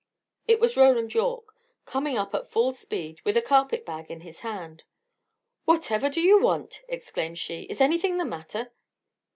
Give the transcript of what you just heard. It was Roland Yorke, coming up at full speed, with a carpet bag in his hand. "Whatever do you want?" exclaimed she. "Is anything the matter?"